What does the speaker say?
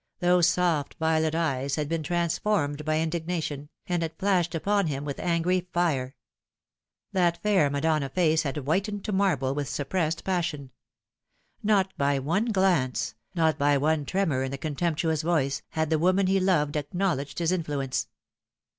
Those soft violet eyes had been transformed by indignation, and had flashed upon him with angry Pamela changes her Mind. 283 fire. That fair Madonna face had whitened to marble with suppressed passion. Not by one glance, not by one tremor in the contemptuous voice, had the woman he loved acknow ledged his influence.